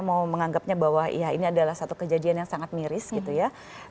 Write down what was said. mau menganggapnya bahwa ya ini adalah satu kejadian yang sangat miris gitu ya